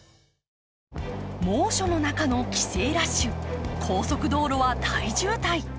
猛暑の中の帰省ラッシュ、高速道路は大渋滞。